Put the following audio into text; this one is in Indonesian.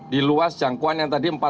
di luas jangkauan yang tadi empat puluh